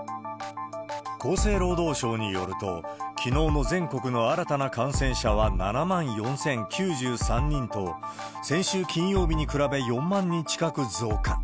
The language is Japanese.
厚生労働省によると、きのうの全国の新たな感染者は７万４０９３人と、先週金曜日に比べ、４万人近く増加。